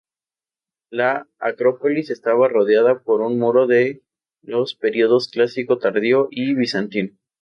La acrópolis estaba rodeada por un muro de los periodos clásico tardío y bizantino.